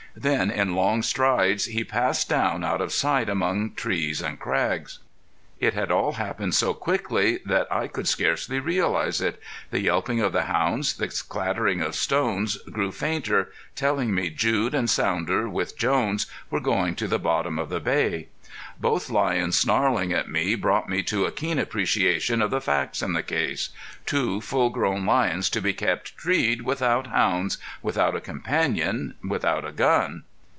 Then in long strides he passed down out of sight among the trees and crags. It had all happened so quickly that I could scarcely realize it. The yelping of the hounds, the clattering of stones, grew fainter, telling me Jude and Sounder, with Jones, were going to the bottom of the Bay. Both lions snarling at me brought me to a keen appreciation of the facts in the case. Two full grown lions to be kept treed without hounds, without a companion, without a gun.